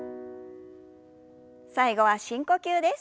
最後は深呼吸です。